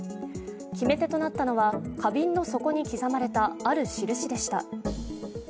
決め手となったのは花瓶の底に刻まれた、ある印でした。